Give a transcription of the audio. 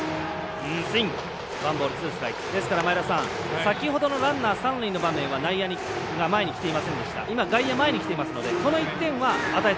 先ほどのランナー、三塁の場面は内野が前に来ていませんでした。